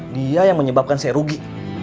dia yang menyebabkan saya rugi